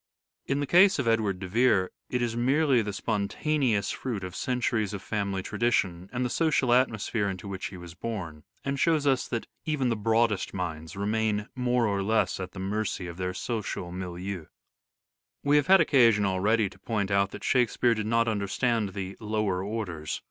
In the case of Edward de Vere it is merely the spontaneous fruit of centuries of family tradition and the social atmo sphere into which he was born, and shows us that even the broadest minds remain more or less at the mercy of their social milieu. We have had occasion already to point out that Shakespeare did not understand the "lower orders."